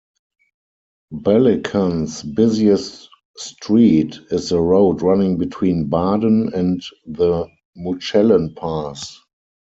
Bellikon's busiest street is the road running between Baden and the Mutschellen pass.